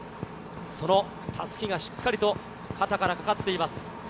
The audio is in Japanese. そのたすきがしっかりと肩からかかっています。